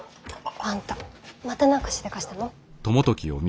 あんたまた何かしでかしたの。